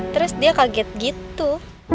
terus dia kaget gitu